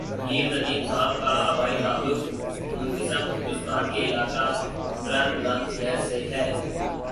نیّرندیم صاحب کا آبائی تعلق منقسم ہندوستان کے علاقہ برن بلند شہر سے ہے